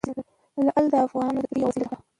لعل د افغانانو د تفریح یوه وسیله ده.